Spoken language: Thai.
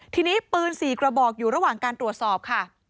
ทีนี้ปืน๔กระบอกอยู่ระหว่างการตรวจสอบค่ะ